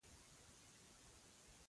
د فلمونو کتنه د کلتور د زدهکړې لاره ده.